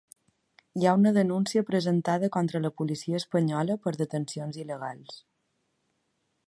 Hi ha una denúncia presentada contra la policia espanyola per detencions il·legals.